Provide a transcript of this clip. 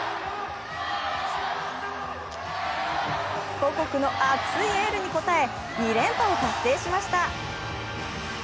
母国の熱いエールに応え２連覇を達成しました。